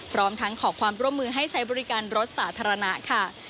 พร้อมทั้งขอความร่วมมือให้ใช้บริการรถสาธารณะค่ะ